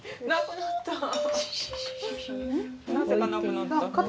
なぜかなくなった。